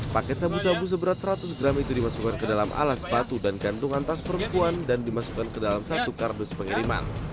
paket sabu sabu seberat seratus gram itu dimasukkan ke dalam alas batu dan gantungan tas perempuan dan dimasukkan ke dalam satu kardus pengiriman